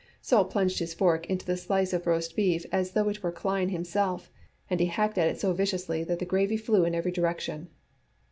Sol plunged his fork into the slice of roast beef as though it were Klein himself, and he hacked at it so viciously that the gravy flew in every direction.